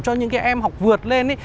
cho những em học vượt lên